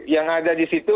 yang ada disitu